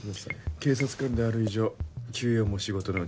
警察官である以上休養も仕事のうちだ。